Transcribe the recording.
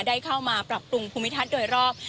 ได้เข้ามาปรับปรุงภูมิทัศน์โดยรอบ